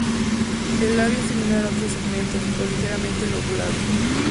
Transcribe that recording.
El labio es similar a otros segmentos, o ligeramente lobulado.